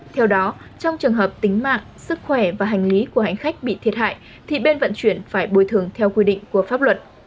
theo đó trong trường hợp tính mạng sức khỏe và hành lý của hành khách bị thiệt hại thì bên vận chuyển phải bồi thường theo quy định của pháp luật